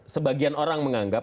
sebagian orang menganggap